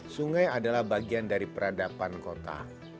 sungai adalah bagian dari peradaban kota